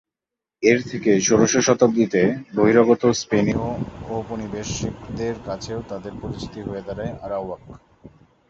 এর থেকেই ষোড়শ শতাব্দীতে বহিরাগত স্পেনীয় ঔপনিবেশিকদের কাছেও তাদের পরিচিতি হয়ে দাঁড়ায় "আরাওয়াক"।